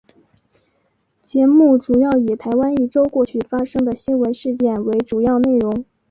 节目主要以台湾一周过去发生的新闻事件为主要内容。